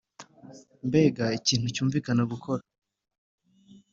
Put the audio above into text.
mbega ikintu cyumvikana gukora!